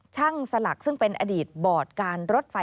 ช่างสลักซึ่งเป็นอดีตบอร์ดการรถไฟ